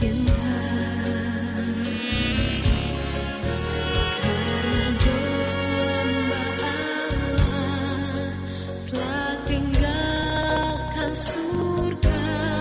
anda bisa mendengarkan alat alat sehat dari kulit lu